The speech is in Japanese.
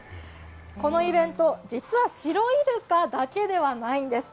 このイベント、実はシロイルカだけではないんです。